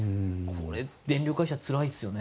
これ電力会社つらいですよね。